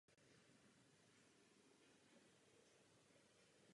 Během následujícího desetiletí byl přístup na mys a přilehlou pláž velmi omezen.